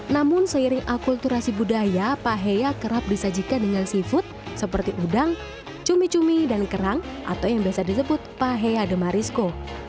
namun seiring akulturasi budaya paheya kerap disajikan dengan seafood seperti udang cumi cumi dan kerang atau yang biasa disebut paheade marisco